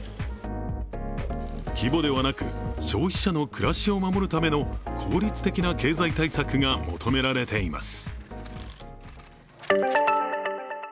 規模ではなく、消費者の暮らしを守るための効率的な経済対策が求められています。